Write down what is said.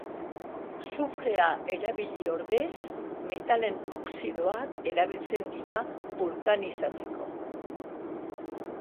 Sufrea erabili ordez metalen oxidoak erabiltzen dira bulkanizatzeko.